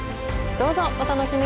どうぞお楽しみに！